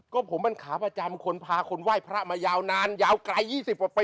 ก็ผมมันขาประจำคนพาคนไหว้พระมายาวนานยาวไกล๒๐กว่าปี